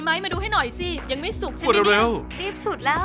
มันเป็นเหตุตัวให้ไว้หรือเปล่า